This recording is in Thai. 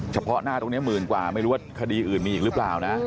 เฉพาะหน้าตรงนี้หมื่นกว่าไม่รู้ว่าคดีอื่นมีอีกหรือเปล่านะ